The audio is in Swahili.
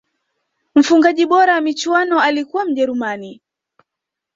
mfungaji bora wa michuano alikuwa mjerumani